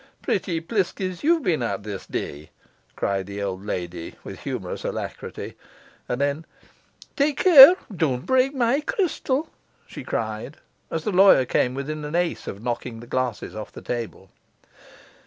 'Pretty pliskies ye've been at this day!' cried the old lady, with humorous alacrity; and then, 'Take care don't break my crystal!' she cried, as the lawyer came within an ace of knocking the glasses off the table.